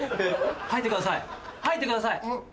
吐いてください吐いてください！